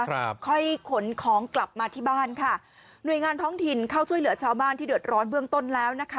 ครับค่อยขนของกลับมาที่บ้านค่ะหน่วยงานท้องถิ่นเข้าช่วยเหลือชาวบ้านที่เดือดร้อนเบื้องต้นแล้วนะคะ